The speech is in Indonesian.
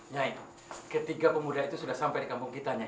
nyai ketiga pemuda itu sudah sampai di kampung kita nyai